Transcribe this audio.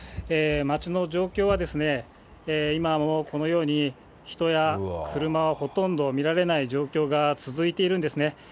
街の状況は、今もこのように、人や車はほとんど見られない状況が続いているんですね。